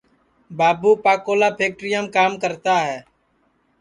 بابو پاکولا پھکٹیرام کام کرتا ہے